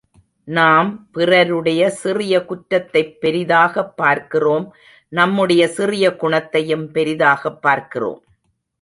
நாம் பிறருடைய சிறிய குற்றத்தைப் பெரிதாகப் பார்க்கிறோம் நம்முடைய சிறிய குணத்தையும் பெரிதாகப் பார்க்கிறோம்.